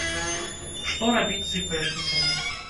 Што рабіць з іпэшнікамі.